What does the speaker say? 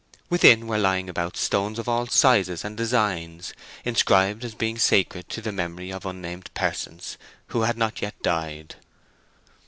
Within were lying about stones of all sizes and designs, inscribed as being sacred to the memory of unnamed persons who had not yet died.